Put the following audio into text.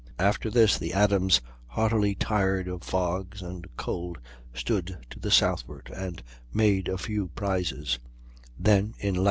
After this the Adams, heartily tired of fogs and cold, stood to the southward and made a few prizes; then, in lat.